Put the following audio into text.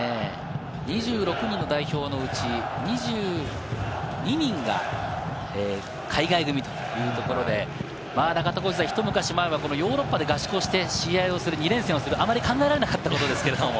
２６人の代表のうち２２人が海外組というところで、中田さん、一昔前までは、ヨーロッパで合宿をして試合をする２連戦をする、あまり考えられなかったことですけれども。